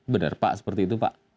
benar pak seperti itu pak